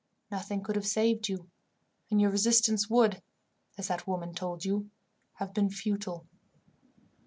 Nothing could have saved you, and your resistance would, as that woman told you, have been futile."